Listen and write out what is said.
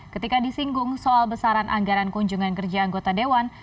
ketika disinggung soal besaran anggaran kunjungan kerja anggota dewan